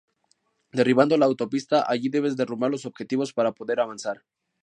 Derribando la Autopista: Allí debes derrumbar los objetivos para poder avanzar.